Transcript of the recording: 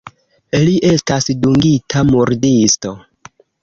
Li estas dungita murdisto.